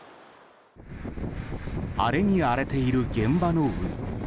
荒れに荒れている現場の海。